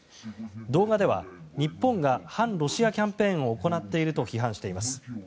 動画では、日本が反ロシアキャンペーンを行っていると批判しています。